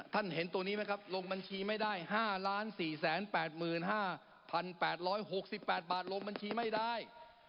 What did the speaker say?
เห็นตัวนี้ไหมครับลงบัญชีไม่ได้๕๔๘๕๘๖๘บาทลงบัญชีไม่ได้